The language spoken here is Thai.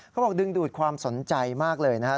เขาบอกดึงดูดความสนใจมากเลยนะครับ